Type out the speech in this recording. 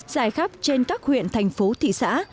dài khắp trên các huyện thành phố thị xã